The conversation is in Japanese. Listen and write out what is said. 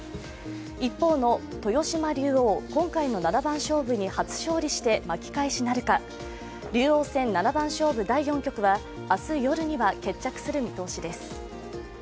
一方の豊島竜王、今回の七番勝負に初掌理して竜王戦七番勝負第４局は明日夜には決着する見通しです。